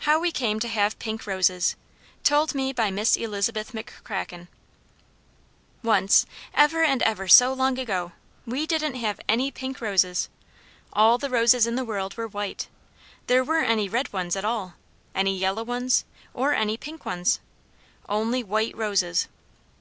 HOW WE CAME TO HAVE PINK ROSES [Footnote 1: Told me by Miss Elizabeth McCracken.] Once, ever and ever so long ago, we didn't have any pink roses. All the roses in the world were white. There weren't any red ones at all, any yellow ones, or any pink ones, only white roses.